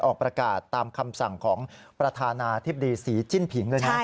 ออกประกาศตามคำสั่งของประธานาธิบดีศรีจิ้นผิงด้วยนะ